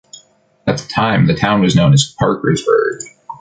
At that time, the town was known as Parkersburg.